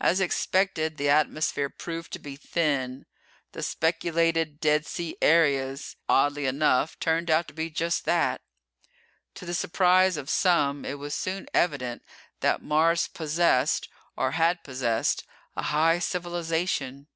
As expected the atmosphere proved to be thin. The speculated dead sea areas, oddly enough, turned out to be just that. To the surprise of some, it was soon evident that Mars possessed, or had possessed, a high civilization.